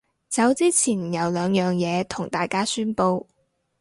走之前有兩樣嘢同大家宣佈